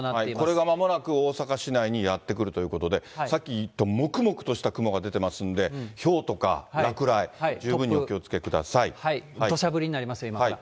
これがまもなく大阪市内にやって来るということで、さっき、もくもくとした雲が出てますんで、ひょうとか、落雷、十分にお気をどしゃ降りになります、今から。